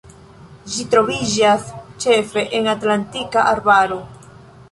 Ĝi troviĝas ĉefe en Atlantika arbaro.